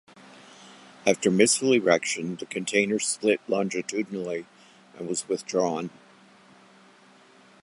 After missile erection, the container split longitudinally and was withdrawn.